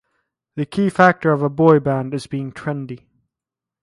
The key factor of a boy band is being trendy.